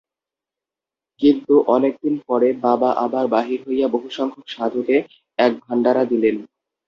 কিন্তু অনেক দিন পরে বাবা আবার বাহির হইয়া বহুসংখ্যক সাধুকে এক ভাণ্ডারা দিলেন।